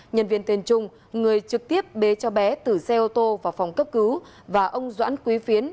nhân viên tên trung người trực tiếp bế cháu bé từ xe ô tô vào phòng cấp cứu và ông doãn quý phiến